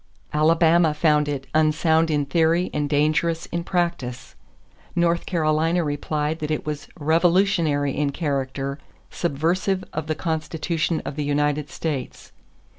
Alabama found it "unsound in theory and dangerous in practice." North Carolina replied that it was "revolutionary in character, subversive of the Constitution of the United States."